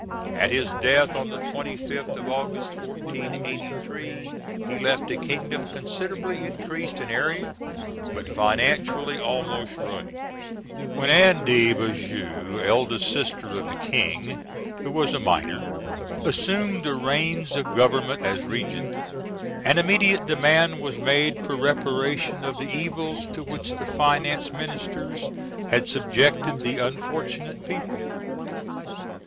At his death, on the 25th of August, 1483, he left a kingdom considerably increased in area, but financialty almost ruined. When Anne de Beaujeu, eldest sister of the King, who was a minor, assumed the reins of government as regent, an immediate demand was made for reparation of the evils to which the finance ministers had subjected the unfortunate people.